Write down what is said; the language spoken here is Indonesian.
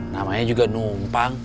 namanya juga numpang